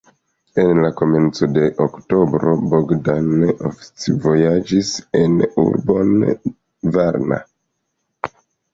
En la komenco de oktobro Bogdan oficvojaĝis en urbon Varna.